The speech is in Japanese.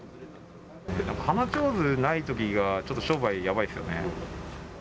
花ちょうず、ないときが商売やばいですよね。